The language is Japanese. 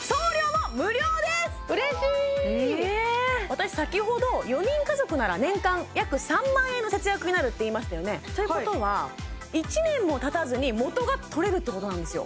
私先ほど４人家族なら年間約３万円の節約になるって言いましたよねということは１年もたたずに元が取れるってことなんですよ